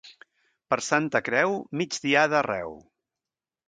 Per Santa Creu, migdiada arreu.